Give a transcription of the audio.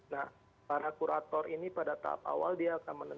nah para kurator ini pada tahap awal dia akan menentukan